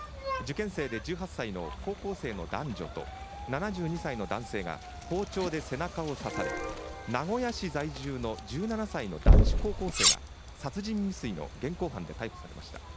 受験生で１８歳の高校生の男女と７２歳の男性が包丁で刺され、名古屋市在住の１７歳の男子高校生が殺人未遂の現行犯で逮捕されました。